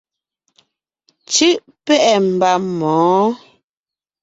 Cú’ pɛ́’ɛ mba mɔ̌ɔn.